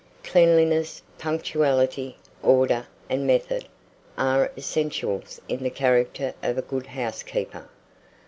Cleanliness, punctuality, order, and method, are essentials in the character of a good housekeeper.